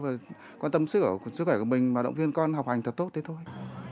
và quan tâm sức khỏe của mình và động viên con học hành thật tốt thế thôi